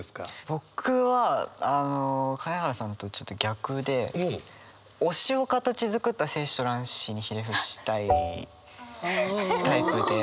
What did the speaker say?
僕はあの金原さんとちょっと逆で推しを形作った精子と卵子にひれ伏したいタイプで。